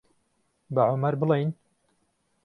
بە عومەر بڵێین؟